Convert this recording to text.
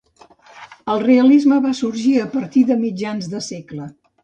El realisme va sorgir a partir de mitjans de segle.